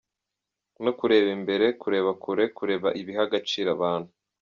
No kureba imbere, kureba kure, kureba ibiha agaciro abantu.”